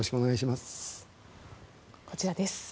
こちらです。